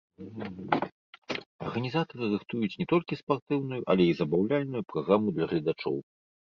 Арганізатары рыхтуюць не толькі спартыўную, але і забаўляльную праграму для гледачоў.